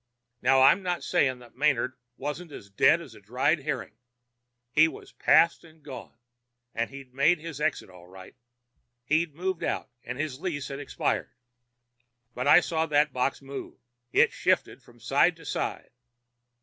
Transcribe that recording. Now, I'm not saying that Manard wasn't as dead as a dried herring. He was past and gone, and he'd made his exit all right. He'd moved out, and his lease had expired. But I saw that box move. It shifted from side to side.